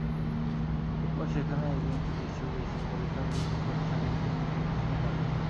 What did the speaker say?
এরপর সেখানে একজন চিকিৎসক এসে পরীক্ষা-নিরীক্ষা করে শাকিলকে মৃত ঘোষণা করেন।